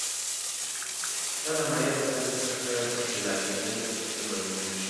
دا د مایع له سطحې څخه جلا کیدل تبخیر بلل کیږي.